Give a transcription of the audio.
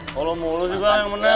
kalau mulus juga yang menemankan